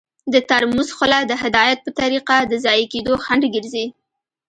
د ترموز خوله د هدایت په طریقه د ضایع کیدو خنډ ګرځي.